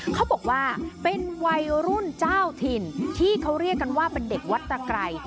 เขาบอกว่าเป็นวัยรุ่นเจ้าถิ่นที่เขาเรียกกันว่าเป็นเด็กวัดตะไกร